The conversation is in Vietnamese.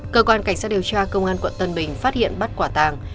cơ quan cảnh sát điều tra công an quận tân bình phát hiện bắt quả tàng